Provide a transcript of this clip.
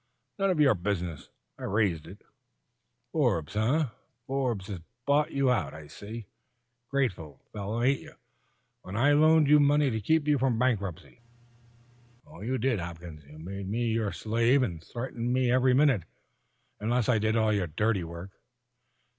"None of your business. I raised it." "Forbes, eh? Forbes has bought you up, I see. Grateful fellow, ain't you when I loaned you money to keep you from bankruptcy!" "You did, Hopkins. You made me your slave, and threatened me every minute, unless I did all your dirty work.